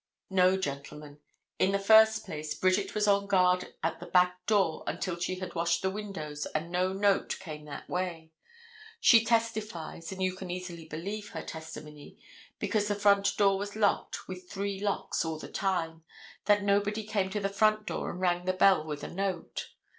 No, gentlemen. In the first place, Bridget was on guard at that back door until she had washed the windows, and no note came that way. She testifies, and you can easily believe her testimony, because the front door was locked with three locks all the time, that nobody came to the front door and rang the bell with a note.